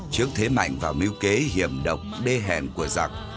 trước thế mạnh và mưu kế hiểm độc đê hèn của giặc